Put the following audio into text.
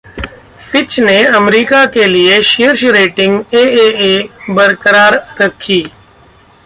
Fitch ने America के लिये शीर्ष रेटिंग ‘एएए’ बरकरार रखी